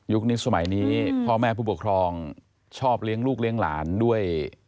สมัยนี้พ่อแม่ผู้ปกครองชอบเลี้ยงลูกเลี้ยงหลานด้วย